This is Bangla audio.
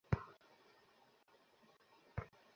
এই ছিল আজকের মতো, সুধী দর্শকবৃন্দ!